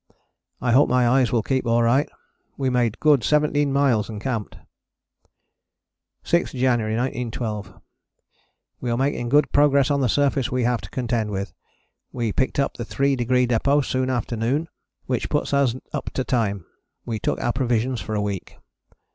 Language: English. I hope my eyes will keep alright. We made good 17 miles and camped. 6th January 1912. We are making good progress on the surface we have to contend with. We picked up the 3 Degree Depôt soon after noon, which puts us up to time. We took our provision for a week.